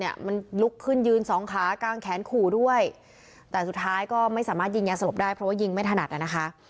มันลุกขึ้นยืนสองขากลางแขนขู่ด้วยแต่สุดท้ายก็ไม่สามารถยิงยาสลบได้เพราะว่ายิงไม่ถนัดอ่ะนะคะ